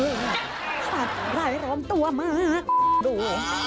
สัตว์หลายร้อนตัวมากดู